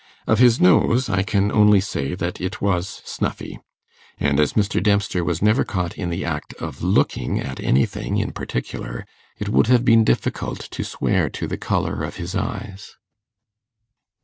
Of his nose I can only say that it was snuffy; and as Mr. Dempster was never caught in the act of looking at anything in particular, it would have been difficult to swear to the colour of his eyes.